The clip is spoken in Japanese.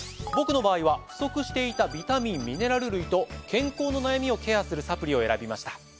僕の場合は不足していたビタミンミネラル類と健康の悩みをケアするサプリを選びました。